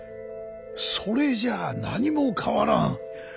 それじゃ何も変わらん。